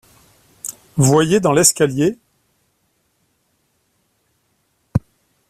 Voyez dans l’escalier…